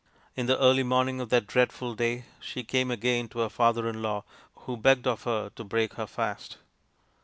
In the early morning of that dreadful day she came again to her father in law, who begged of her to break her fast.